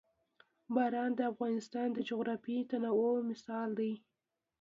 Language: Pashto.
باران د افغانستان د جغرافیوي تنوع مثال دی.